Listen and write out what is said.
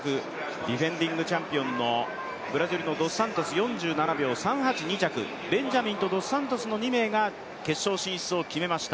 ディフェンディングチャンピオンのブラジルドスサントス、３７秒３８、２着ベンジャミンとドスサントスの２名が決勝進出を決めました。